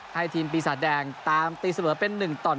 ให้ทีมปีศาจแดงตามตีเสมอเป็น๑ต่อ๑